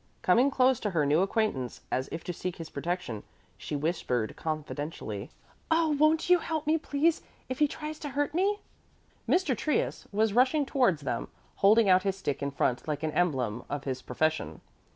Coming close to her new acquaintance, as if to seek his protection, she whispered confidentially. "Oh, won't you help me, please, if he tries to hurt me?" Mr. Trius was rushing towards them, holding out his stick in front like an emblem of his profession.